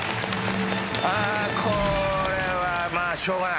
これはまあしょうがない。